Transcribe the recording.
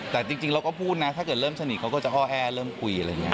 แต่จริงเราก็พูดนะถ้าเกิดเริ่มสนิทเขาก็จะห้อแอเริ่มคุยอะไรอย่างนี้